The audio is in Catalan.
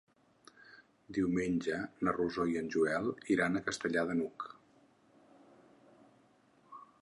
Diumenge na Rosó i en Joel iran a Castellar de n'Hug.